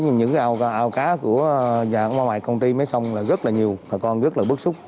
những cái ao cá của nhà máy công ty máy sông là rất là nhiều thầy con rất là bức xúc